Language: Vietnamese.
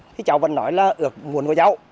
thì cháu vẫn nói là ước muốn của cháu